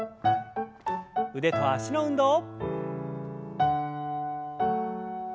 腕と脚の運動。